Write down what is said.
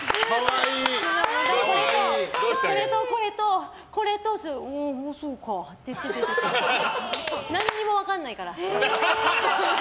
これとこれとこれとって言ってああ、そうかって言っててなんにも分かんないから。